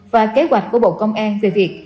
và kế hoạch của bộ công an về việc